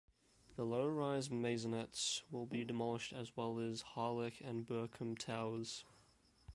The low rise maisonettes will be demolished as well as Harlech and Burcombe Towers.